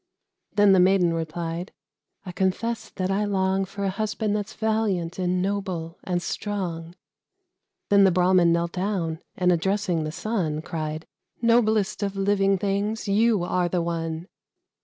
Then the Maiden replied, "I confess that I long For a husband that's valiant, and noble, and strong." Then the Brahmin knelt down, and addressing the Sun, Cried, "Noblest of living things, you are the one!"